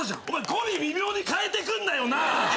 語尾微妙に変えてくんなよな！